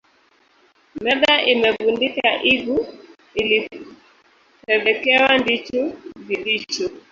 Medha imevundika igu ilipovekewa dhichu vidhicho